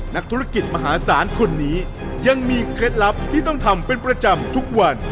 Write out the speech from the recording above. นักธุรกิจมหาศาลคนนี้ยังมีเคล็ดลับที่ต้องทำเป็นประจำทุกวัน